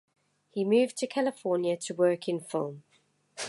He moved to California to work in film.